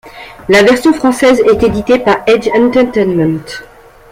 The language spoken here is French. La version française est éditée par Edge Entertainment.